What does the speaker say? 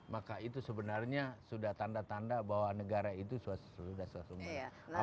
maka itu sebenarnya sudah tanda tanda bahwa negara itu sudah sumber